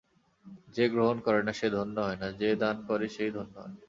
যে গ্রহণ করে সে ধন্য হয় না, যে দান করে সেই ধন্য হয়।